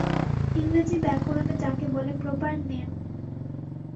ইংরেজি ব্যাকরণে যাকে বলে প্রপার নেম।